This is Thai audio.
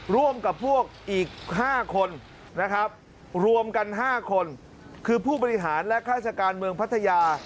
ร่วมกับพวกอีก๕คนนะครับรวมกัน๕คนคือผู้บริหารและฆาตการเมืองพัทยา